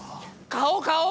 顔顔！